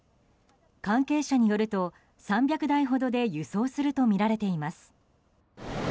関係者によると３００台ほどで輸送するとみられています。